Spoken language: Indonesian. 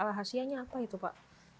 rahasianya apa itu pak